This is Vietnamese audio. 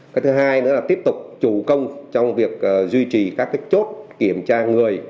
cái thứ hai nữa là tiếp tục chủ công trong việc duy trì các chốt kiểm tra người